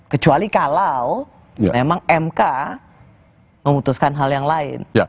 kecuali kalau memang mk memutuskan hal yang lain